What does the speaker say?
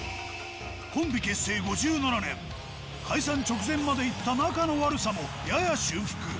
コンビ結成５７年、解散直前までいった仲の悪さもやや修復。